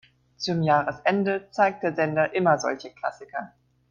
Zum Jahresende zeigt der Sender immer solche Klassiker.